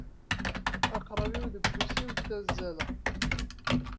Aqrab-iw deg ufus-iw ttazzaleɣ.